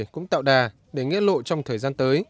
cũng tạo đà để nghĩa lộ trong thời gian tới